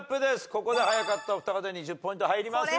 ここで早かったお二方に１０ポイント入りますが。